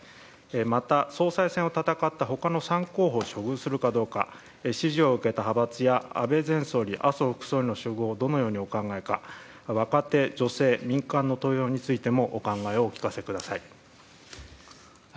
また、総裁選を戦った他の３候補を処遇するかどうか支持を受けた派閥や安倍前総理、麻生副総理の処遇をどのようにお考えか若手、女性、民間の登用についてもお考えをお聞かせください。